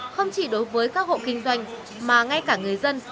không chỉ đối với các hộ kinh doanh mà ngay cả người dân